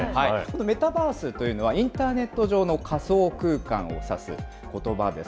メタバースというのは、インターネット上の仮想空間を指すことばです。